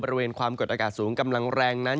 บริเวณความกดอากาศสูงกำลังแรงนั้น